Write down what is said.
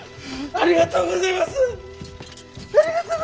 ありがとうごぜます！